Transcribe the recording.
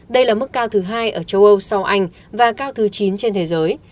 đây là mức cao thứ hai ở châu âu sau anh và cao thứ chín trên thế giới